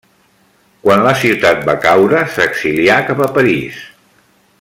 Quan la ciutat va caure s'exilià cap a París.